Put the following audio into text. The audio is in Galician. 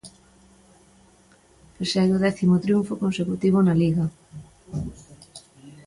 Persegue o décimo triunfo consecutivo na Liga.